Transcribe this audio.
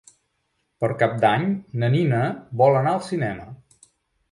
Per Cap d'Any na Nina vol anar al cinema.